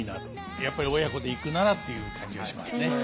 やっぱり親子で行くならという感じがしますね。